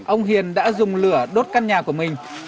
ông hiền đã dùng lửa đốt căn nhà của mình